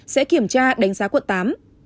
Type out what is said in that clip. sẽ kiểm tra đánh giá quận tám